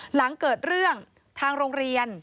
หลังเกิดเรื่องทางโรงเรียน